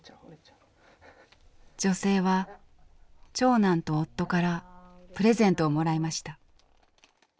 女性は長男と夫からプレゼントをもらいました。